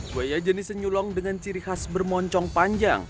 buaya jenis senyulong dengan ciri khas bermoncong panjang